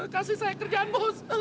kasih saya kerjaan bos